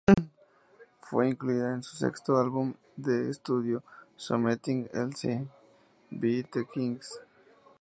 Fue incluida en su sexto álbum de estudio, "Something Else by The Kinks".